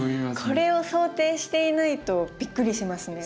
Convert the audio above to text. これを想定していないとびっくりしますね。